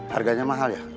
harganya mahal ya